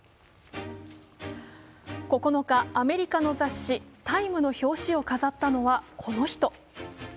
９日、アメリカの雑誌「ＴＩＭＥ」の表紙を飾ったのはこの人。